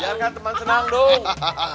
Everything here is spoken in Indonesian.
biar kan teman senang dong